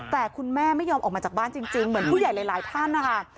แต่คุณแม่ไม่ยอมออกมาจากบ้านจริงเหมือนผู้ใหญ่หลายท่านนะคะ